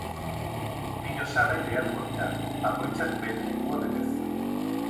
Bi osagai beharko dira, bakoitzak bere lekua betez.